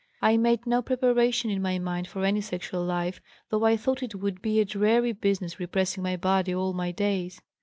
I made no preparation in my mind for any sexual life, though I thought it would be a dreary business repressing my body all my days.